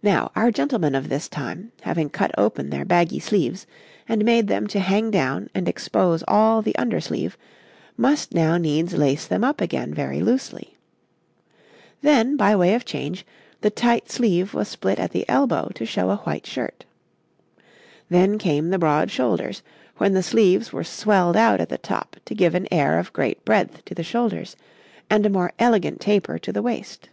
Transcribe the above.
Now, our gentlemen of this time, having cut open their baggy sleeves, and made them to hang down and expose all the under sleeve, must now needs lace them up again very loosely. Then, by way of change, the tight sleeve was split at the elbow to show a white shirt. Then came the broad shoulders, when the sleeves were swelled out at the top to give an air of great breadth to the shoulders and a more elegant taper to the waist.